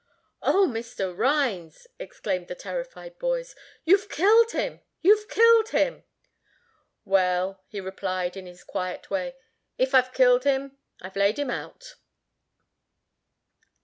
"O, Mr. Rhines," exclaimed the terrified boys, "you've killed him, you've killed him!" "Well," he replied in his quiet way, "if I've killed him, I've laid him out."